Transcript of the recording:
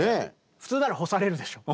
普通なら干されるでしょ。